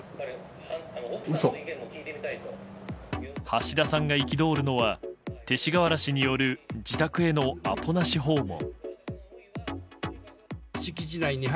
橋田さんが憤るのは勅使河原氏による自宅へのアポなし訪問。